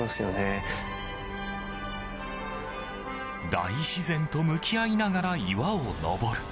大自然と向き合いながら岩を登る。